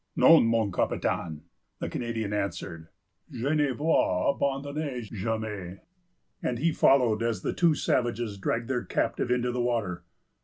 "Non, mon capitaine," the Canadian answered, "je ne vous abandonnerai jamais;" and he followed, as the two savages dragged their captive into the water.